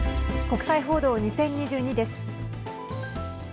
国際報道２０２２です。